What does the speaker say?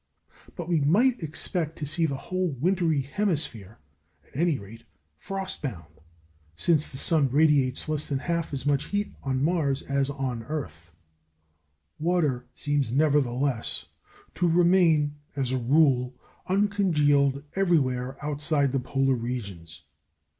But we might expect to see the whole wintry hemisphere, at any rate, frost bound, since the sun radiates less than half as much heat on Mars as on the earth. Water seems, nevertheless, to remain, as a rule, uncongealed everywhere outside the polar regions.